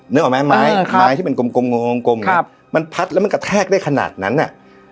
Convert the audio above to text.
นึกออกไหมไม้ครับไม้ที่เป็นกลมกลมกลมกลมครับมันพัดแล้วมันกระแทกได้ขนาดนั้นอ่ะ